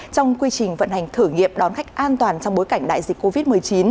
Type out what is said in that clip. trong quy trình vận hành thử nghiệm đón khách an toàn trong bối cảnh đại dịch covid một mươi chín